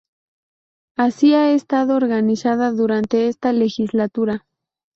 Así ha estado organizada durante esta legislatura.